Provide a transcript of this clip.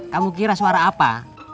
kamu kira suara apa